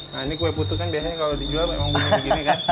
kalau dijual memang begini kan